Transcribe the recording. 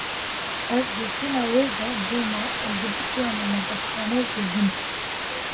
Ez di şûna wê de bûma ez ê biçûma nexweşxaneyeke din.